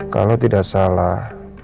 kalo tidak salah